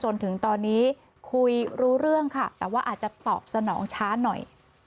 จนถึงตอนนี้คุยรู้เรื่องค่ะแต่ว่าอาจจะตอบสนองช้าหน่อย